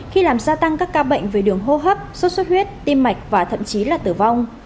khi làm gia tăng các ca bệnh về đường hô hấp sốt xuất huyết tim mạch và thậm chí là tử vong